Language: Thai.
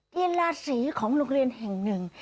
กีฬาสีของโรงเรียนแห่งหนึ่ง